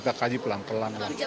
kita kaji pelan pelan